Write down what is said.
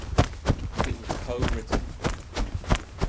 It was co-written.